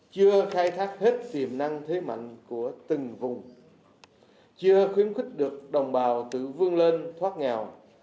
chưa khai thác hết tiềm năng thế mạnh của từng vùng chưa khuyến khích được đồng bào tự vương lên thoát nghèo